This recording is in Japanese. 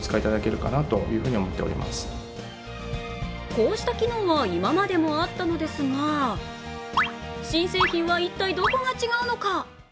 こうした機能は今までもあったのですが新製品は一体どこが違うのか。